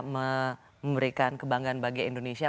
memberikan kebanggaan bagi indonesia